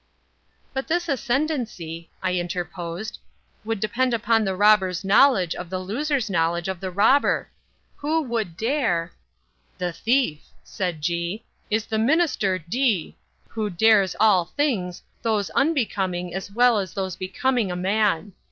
"But this ascendancy," I interposed, "would depend upon the robber's knowledge of the loser's knowledge of the robber. Who would dare—" "The thief," said G., "is the Minister D——, who dares all things, those unbecoming as well as those becoming a man.